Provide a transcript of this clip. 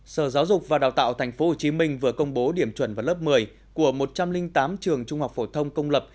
sở giáo dục và đào tạo tp hcm vừa công bố điểm chuẩn vào lớp một mươi của một trăm linh tám trường trung học phổ thông công lập